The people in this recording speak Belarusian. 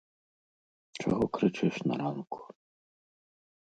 Чаго крычыш на ранку?